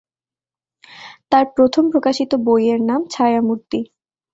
তার প্রথম প্রকাশিত বইয়ের নাম 'ছায়া-মূর্তি'।